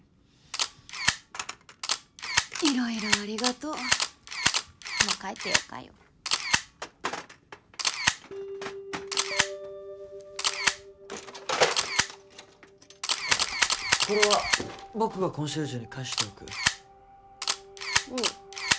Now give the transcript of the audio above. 色々ありがとうもう帰ってよかよこれは僕がコンシェルジュに返しておくうん